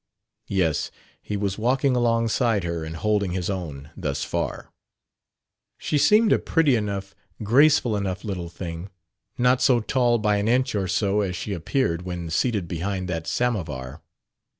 Yes, he was walking alongside her and holding his own thus far. She seemed a pretty enough, graceful enough little thing; not so tall by an inch or so as she appeared when seated behind that samovar.